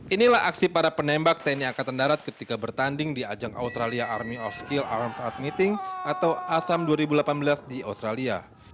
inilah aksi para penembak tni angkatan darat ketika bertanding di ajang australia army of skill arms ad meeting atau asam dua ribu delapan belas di australia